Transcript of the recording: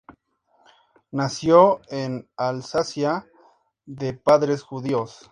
Nació en Alsacia, de padres judíos.